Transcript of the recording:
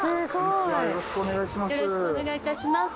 よろしくお願いします。